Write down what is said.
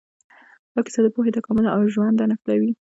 دا کیسه د پوهې، تکامل او ژونده نښلوي.